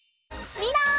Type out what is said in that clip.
みんな！